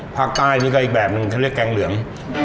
ภาคใต้นี่ก็อีกแบบหนึ่งเขาเรียกแกงเหลือง